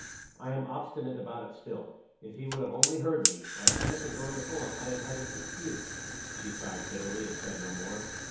I am obstinate about it still. If he would only have heard me, my madness in going to Fulham might have had its excuse." She sighed bitterly, and said no more.